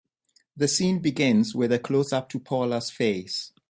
The scene begins with a closeup to Paula's face.